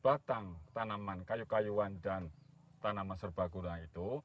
batang tanaman kayu kayuan dan tanaman serbaguna itu